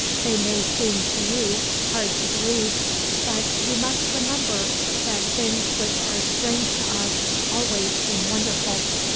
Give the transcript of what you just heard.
They may seem to you hard to believe, but you must remember that things which are strange to us always seem wonderful.